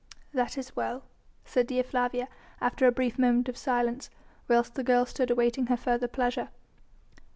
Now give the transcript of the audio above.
"That is well," said Dea Flavia, after a brief moment of silence, whilst the girl stood awaiting her further pleasure.